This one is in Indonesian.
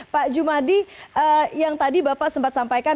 pak jumadi yang tadi bapak sempat sampaikan